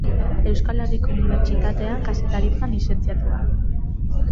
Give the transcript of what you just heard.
Euskal Herriko Unibertsitatean Kazetaritzan lizentziatua.